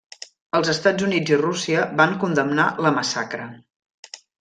Els Estats Units i Rússia van condemnar la massacre.